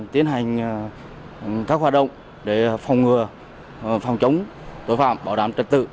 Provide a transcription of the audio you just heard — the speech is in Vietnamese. tiến hành các hoạt động để phòng ngừa phòng chống tội phạm bảo đảm trật tự